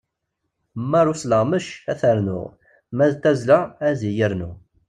Ma ar usleɣmec, ad t-ternuɣ. Ma d tazzla, ad iyi-rnu.